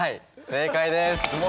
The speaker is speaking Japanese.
正解です。